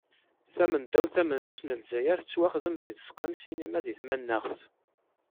Tamendawt tamenzut n Lezzayer tettwaxdem di tzeqqa n sinima di tmanaɣt.